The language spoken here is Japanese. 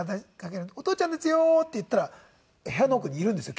「お父ちゃんでちゅよ」って言ったら部屋の奥にいるんですよ